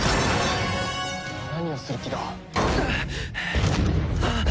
何をする気だ？うっ。